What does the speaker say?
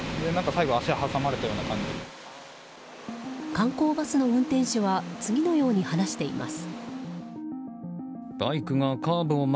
観光バスの運転手は次のように話しています。